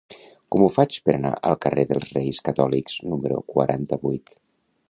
Com ho faig per anar al carrer dels Reis Catòlics número quaranta-vuit?